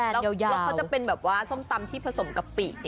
แล้วเขาจะเป็นส้มตำที่ผสมกะปิ